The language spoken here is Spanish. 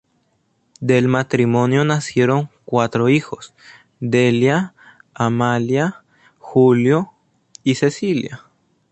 Del matrimonio nacieron cuatro hijos, Delia, Amalia, Julio y Cecilia.